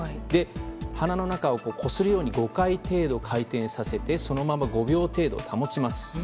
鼻の中をこするように５回程度回転させてそのまま５秒程度保ちます。